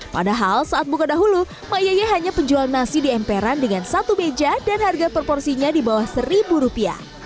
padahal saat buka dahulu ⁇ maye hanya penjual nasi di emperan dengan satu meja dan harga proporsinya di bawah rp satu